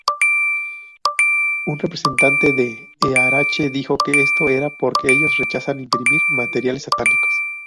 Un representante de Earache dijo que esto era porque ellos rechazan imprimir "materiales satánicos".